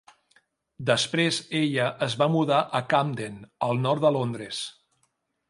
Després ella es va mudar a Camden, al nord de Londres.